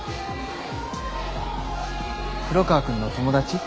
黒川くんの友達？